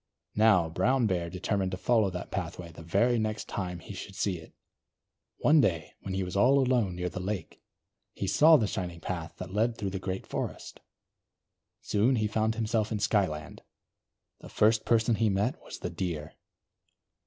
Now, Brown Bear determined to follow that pathway the very next time he should see it. One day when he was all alone, near the lake, he saw the shining path that led through the great forest. Soon he found himself in Skyland. The first person he met was the Deer.